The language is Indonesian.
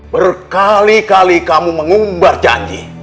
berkali kali kamu mengumbar janji